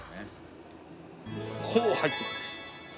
こう入っていきます。